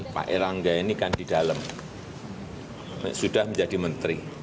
pak erlangga ini kan di dalam sudah menjadi menteri